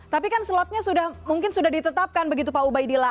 tapi kan slotnya mungkin sudah ditetapkan begitu pak ubaidillah